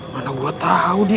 mana gue tau dia